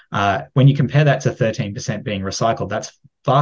ketika anda membandingkan itu dengan tiga belas persen yang dilakukan pembuangan sampah